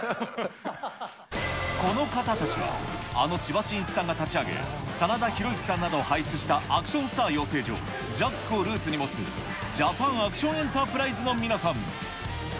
この方たちは、あの千葉真一さんが立ち上げ、真田広之さんなどを輩出したアクションスター養成所、ＪＡＣをルーツに持つ、ジャパンアクションエンタープライズの皆さん。